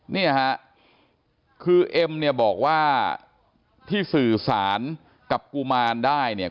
เนี่ยฮะคือเอ็มเนี่ยบอกว่าที่สื่อสารกับกุมารได้เนี่ย